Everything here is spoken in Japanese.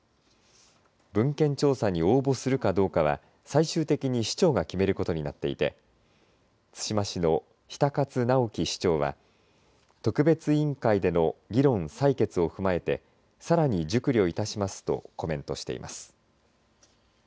文献調査に応募するかどうかは最終的に市長が決めることになっていて対馬市の比田勝尚喜市長は特別委員会での議論、採決を踏まえてさらに熟慮いたしますとコメントしています。